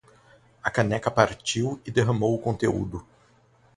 A caneca partiu e derramou o conteúdo.